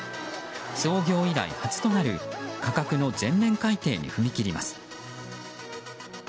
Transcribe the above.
創業以来、初となる価格の全面改定に踏み切ります。